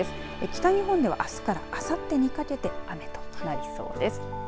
北日本ではあすからあさってにかけて雨となりそうです。